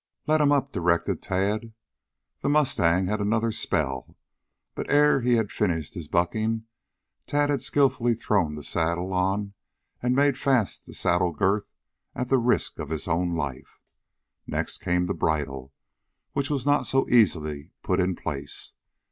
"Let him up," directed Tad. The mustang had another spell, but ere he had finished his bucking Tad had skillfully thrown the saddle on and made fast the saddle girth at the risk of his own life. Next came the bridle, which was not so easily put in place.